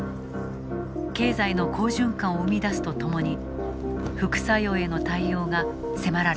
経済の好循環を生み出すとともに副作用への対応が迫られている。